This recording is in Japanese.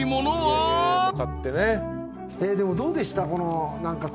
でもどうでした？